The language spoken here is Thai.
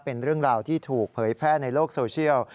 เป็นเรื่องราวที่ถูกเผยแพร่ในโลกโซเชียล